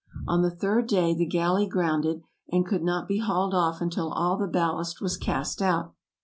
On the third day the gal ley grounded, and could not be hauled off until all the bal last was cast out.